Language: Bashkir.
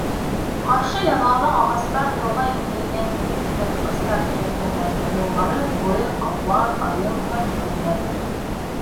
Ҡаршы ярлауҙың ағастар һыуға иңкәйгән ерен йыртҡыстар төйәкләгән: юлбарыҫ, бүре, ҡаплан, айыу һәм бүтәндәр.